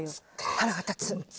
腹が立つ。